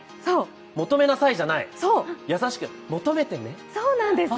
「もとめなさい」じゃない優しく「もとめてね」。